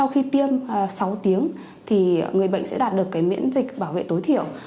khi tiêm sáu tiếng thì người bệnh sẽ đạt được miễn dịch bảo vệ tối thiểu